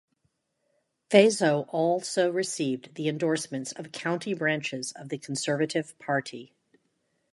Faso also received the endorsements of county branches of the Conservative Party.